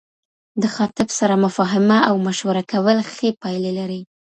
د خاطب سره مفاهمه او مشوره کول ښې پايلي لري